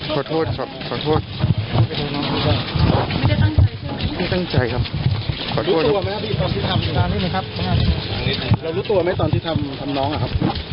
ขอโทษครับขอโทษครับไม่ได้ตั้งใจครับรู้ตัวไหมครับตอนที่ทำน้องครับมันเป็นอารมณ์ชั่ววูบหรือเปล่า